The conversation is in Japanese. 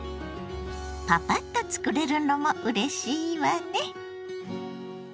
パパッとつくれるのもうれしいわね！